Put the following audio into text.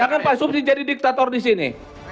jangan pak subsy jadi diktator disini